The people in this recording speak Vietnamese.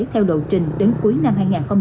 theo độ trình đến cuối năm hai nghìn hai mươi một